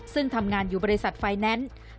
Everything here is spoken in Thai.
ซึ่งทำงานอยู่บริษัทไฟแนนซ์